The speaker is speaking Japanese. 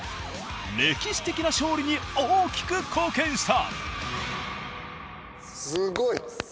歴史的な勝利に大きく貢献した。